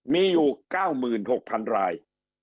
มีอยู่๙๖๐๐๐ราย